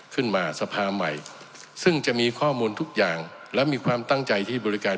สภาใหม่ซึ่งจะมีข้อมูลทุกอย่างและมีความตั้งใจที่บริการ